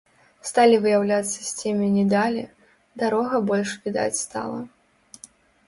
Сталі выяўляцца з цемені далі, дарога больш відаць стала.